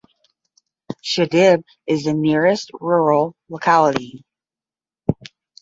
Shidib is the nearest rural locality.